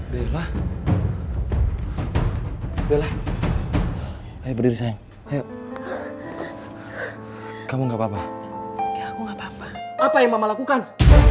bella bella hai hai berdiri sayang kamu nggak apa apa apa yang lakukan